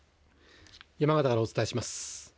山形からお伝えします。